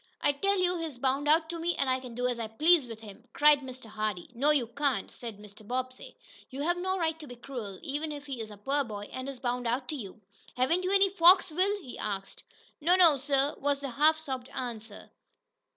"I tell you he's bound out to me, and I can do as I please with him!" cried Mr. Hardee. "No, you can't," said Mr. Bobbsey. "You have no right to be cruel, even if he is a poor boy, and is bound out to you. Haven't you any folks, Will?" he asked. "No no, sir," was the half sobbed answer.